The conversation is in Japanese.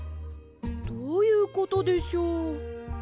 どういうことでしょう？